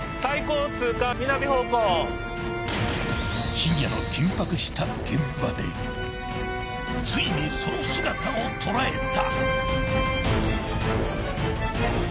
［深夜の緊迫した現場でついにその姿を捉えた］